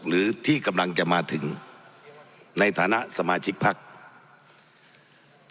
หรือที่กำลังจะมาถึงในฐานะสมาชิกภักดิ์